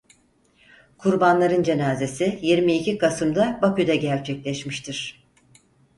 Kurbanların cenazesi yirmi iki Kasım'da Bakü'de gerçekleşmiştir.